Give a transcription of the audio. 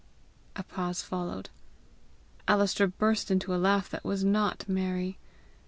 A pause followed. Alister burst into a laugh that was not merry.